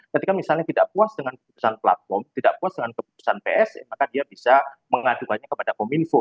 ketika misalnya tidak puas dengan keputusan platform tidak puas dengan keputusan pse maka dia bisa mengadukannya kepada kominfo